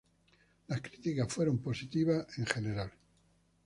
Las críticas fueron positivas en general.